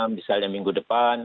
misalnya minggu depan